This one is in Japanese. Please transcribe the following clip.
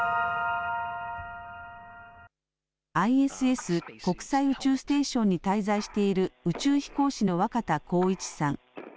ＩＳＳ・国際宇宙ステーションに滞在している宇宙飛行士の若田光一さん。